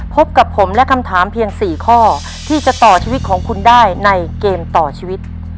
พบกับผมและคำถามเพียง๔ข้อที่จะต่อชีวิตของคุณได้ในเกมต่อชีวิต